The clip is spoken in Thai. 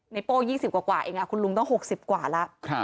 ในโป้ยิง๑๐กว่าครับอีกคุณลุงต้อง๖๐กว่าแล้ว